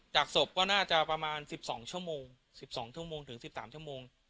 จากศพก็น่าจะประมาณสิบสองชั่วโมงสิบสองชั่วโมงถึงสิบสามชั่วโมง